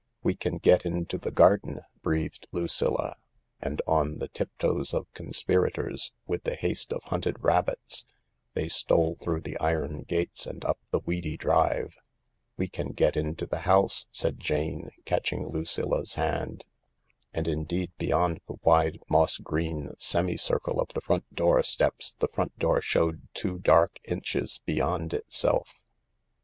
" We can get into the garden," breathed Lucilla, and on the tip toes of conspirators, with the haste of hunted rabbits, they stole through the iron gates and up the weedy drive. " We can get into the house." said Jane, catching Lucilla 's hand. And indeed, beyond the wide, moss green semi circle of the front door steps the front door showed two dark inches beyond itself.